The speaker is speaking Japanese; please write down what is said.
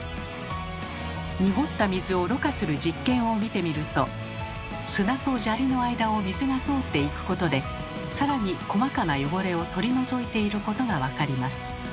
濁った水をろ過する実験を見てみると砂と砂利の間を水が通っていくことで更に細かな汚れを取り除いていることが分かります。